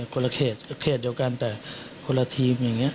คนละเขตเขตเดียวกันแต่คนละทีมอย่างนี้